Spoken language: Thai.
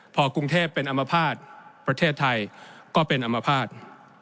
พอกรุงเทพเป็นอำมรภาษณ์ประเทศไทยก็เป็นอำมรภาษณ์